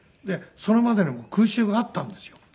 それまでにも空襲があったんですよ。